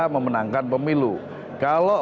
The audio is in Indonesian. memenangkan pemilu kalau